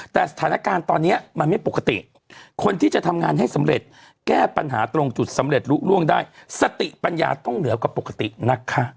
แต่สถานการณ์ตอนนี้มันไม่ปกติคนที่จะทำงานให้สำเร็จแก้ปัญหาตรงจุดสำเร็จลุล่วงได้สติปัญญาต้องเหนือกว่าปกตินะคะ